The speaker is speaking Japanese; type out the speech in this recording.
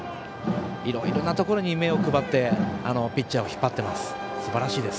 いろいろなところに目を配ってピッチャーを引っ張っています。